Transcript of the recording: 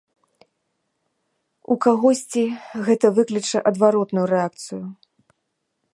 У кагосьці гэта выкліча адваротную рэакцыю.